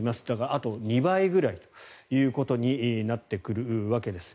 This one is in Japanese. あと２倍くらいということになってくるわけです。